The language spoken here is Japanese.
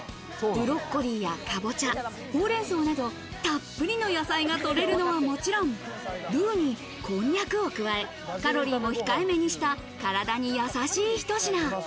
ブロッコリーやかぼちゃ、ほうれん草など、たっぷりの野菜がとれるのはもちろん、ルーにこんにゃくを加え、カロリーも控えめにした体にやさしい、ひと品。